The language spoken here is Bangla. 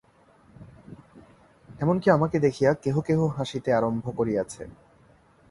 এমন কি আমাকে দেখিয়া কেহ কেহ হাসিতে আরম্ভ করিয়াছে।